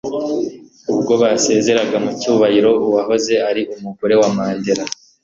ubwo basezeraga mu cyubahiro uwahoze ari umugore wa mandela